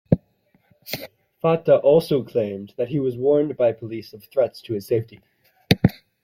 Fatah also claimed that he was warned by police of threats to his safety.